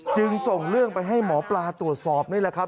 จึงส่งเรื่องไปให้หมอปลาตรวจสอบนี่แหละครับ